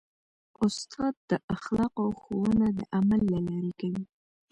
استاد د اخلاقو ښوونه د عمل له لارې کوي.